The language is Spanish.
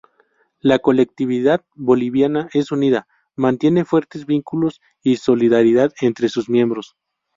La colectividad boliviana es unida, mantiene fuertes vínculos y solidaridad entre sus miembros.